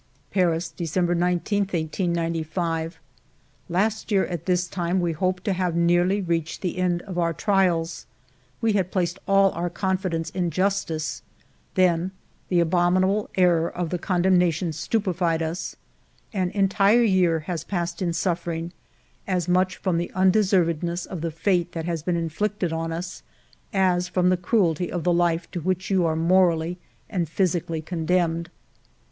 Paris, December 19, 1895. " Last year at this time, we hoped to have nearly reached the end of our trials. We had 13 194 FIVE YEARS OF MY LIFE placed all our confidence in justice. Then the abominable error of the condemnation stupefied us. An entire year has passed in suffering, as much from the undeservedness of the fate that has been inflicted on us, as from the cruelty of the life to which you are morally and physically condemned."